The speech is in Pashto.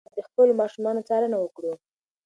موږ باید د خپلو ماشومانو څارنه وکړو.